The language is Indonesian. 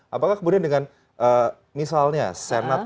apakah kemudian dengan misalnya senat amerika serikat